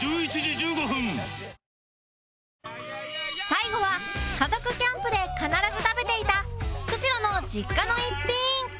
最後は家族キャンプで必ず食べていた久代の実家の一品